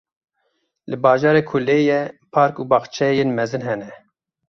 Li bajarê ku lê ye, park û baxçeyên mezin hene.